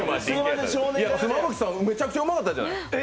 妻夫木さん、めちゃくちゃうまかったじゃない。